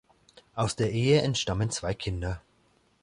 Aus der Ehe entstammen zwei Kinder.